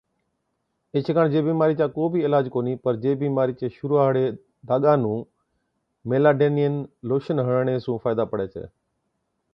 ايڇي ڪاڻ جي بِيمارِي چا ڪو بِي عِلاج ڪونهِي۔ پَر جي بِيمارِي چِي شرُوعا هاڙي داگا نُون Meladinine Lotion ميلاڊائِينن لوشن هڻڻي سُون فائِدا پڙَي ڇَي۔